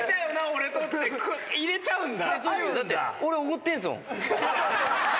俺とって入れちゃうんだ。